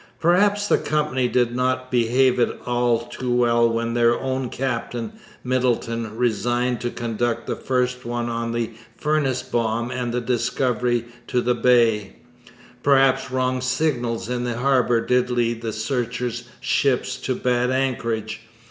Perhaps the Company did not behave at all too well when their own captain, Middleton, resigned to conduct the first one on the Furnace Bomb and the Discovery to the Bay. Perhaps wrong signals in the harbours did lead the searchers' ships to bad anchorage.